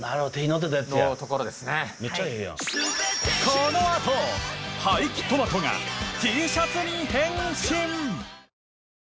このあと廃棄トマトがＴシャツに変身！